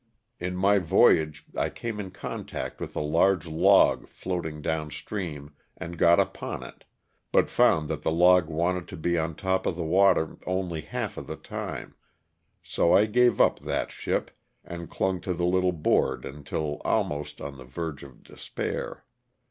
In my voyage I came in contact with a large log floating down stream and got upon it, but found that the log wanted to be on top of the water only half of the time, so I gave up that ship and clung to the little board until almost on the verge of despair.